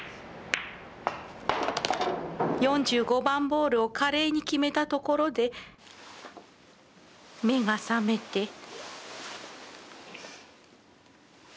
４５番ボールを華麗に決めたところで目が覚めて。